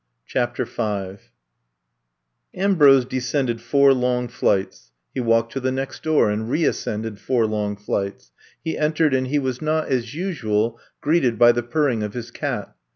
'' CHAPTER V AMBROSE descended four long flights, he walked to the next door and reas cended four long flights. He entered and he was not, as usual, greeted by the purring of his cat.